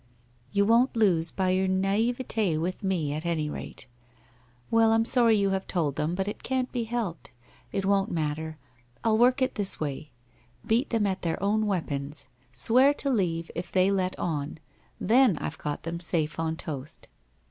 '' You won't lose by your naivete with me, at any rate. Well, I'm sorry you have told them, but it can't be helped. It won't matter. I'll work it this way — beat them at their own weapons — swear to leave if they let on. Then I've got them safe on toast.'